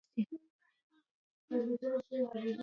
او په برخه یې ترمرګه پښېماني سي